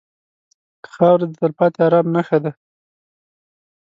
خاوره د تلپاتې ارام نښه ده.